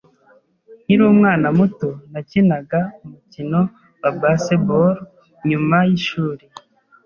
Nkiri umwana muto, nakinaga umukino wa baseball nyuma yishuri.